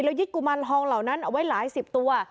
ยึดกุมารทองเหล่านั้นเอาไว้หลายสิบตัว